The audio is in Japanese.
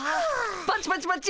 パチパチパチ！